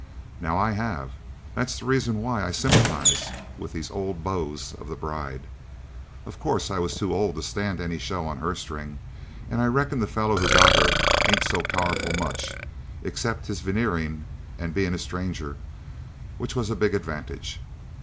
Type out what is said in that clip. "Now I have. That's the reason why I sympathize with these old beaus of the bride. Of course I was too old to stand any show on her string, and I reckon the fellow who got her ain't so powerful much, except his veneering and being a stranger, which was a big advantage.